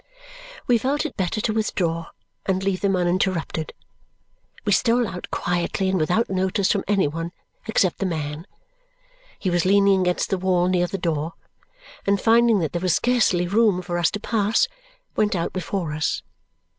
We felt it better to withdraw and leave them uninterrupted. We stole out quietly and without notice from any one except the man. He was leaning against the wall near the door, and finding that there was scarcely room for us to pass, went out before us.